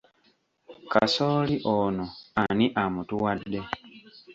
Kasooli ono ani amutuwadde?